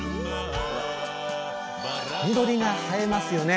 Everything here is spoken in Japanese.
緑が映えますよね！